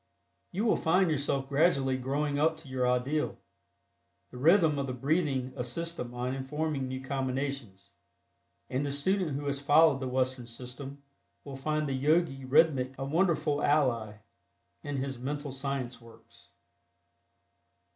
You will find yourself gradually growing up to your ideal. The rhythm of the breathing assists the mind in forming new combinations, and the student who has followed the Western system will find the Yogi Rhythmic a wonderful ally in his "Mental Science" works.